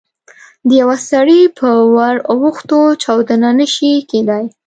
د یوه سړي په ور اوښتو چاودنه نه شي کېدای.